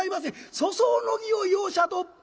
粗相の儀を容赦と」。